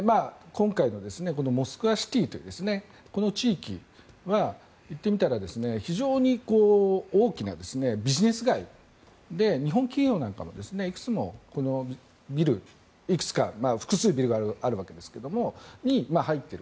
今回のモスクワシティーというこの地域は言ってみたら非常に大きなビジネス街で日本企業なんかもいくつも、ビルいくつか複数、ビルがあるわけですがそこに入っている。